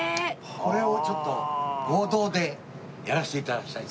これをちょっと合同でやらせて頂きたいと。